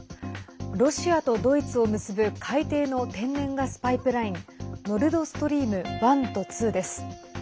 ロシアとドイツを結ぶ海底の天然ガスパイプラインノルドストリーム１と２です。